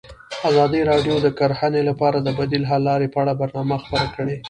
ازادي راډیو د کرهنه لپاره د بدیل حل لارې په اړه برنامه خپاره کړې.